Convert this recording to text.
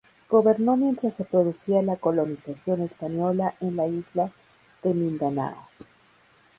Gobernó mientras se producía la colonización española en la isla de Mindanao.